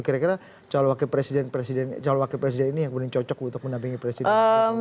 kira kira cawawakil presiden ini yang benar benar cocok untuk menampingi presiden